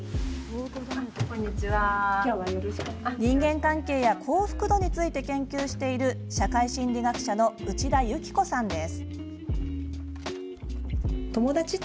人間関係や幸福度について研究している、社会心理学者の内田由紀子さんです。